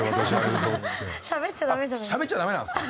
しゃべっちゃダメなんですか？